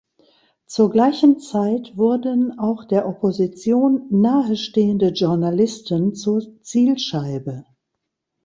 Zur gleichen Zeit wurden auch der Opposition nahestehende Journalisten zur Zielscheibe.